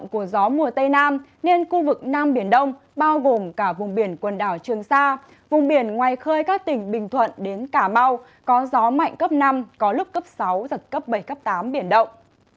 của gió mùa tây nam nên khu vực nam biển đông bao gồm cả vùng biển quần đảo trường sa vùng biển ngoài khơi các tỉnh bình thuận đến cà mau có gió mạnh cấp năm có lúc cấp sáu giật cấp bảy cấp tám biển động